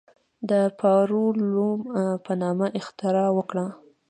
د پاور لوم په نامه اختراع وکړه.